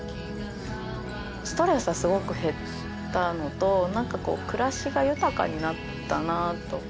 ストレスはすごく減ったのと何かこう暮らしが豊かになったなと。